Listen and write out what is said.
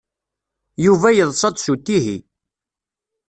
Yuba yeḍsa-d s uttihi.